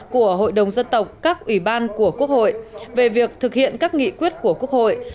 của hội đồng dân tộc các ủy ban của quốc hội về việc thực hiện các nghị quyết của quốc hội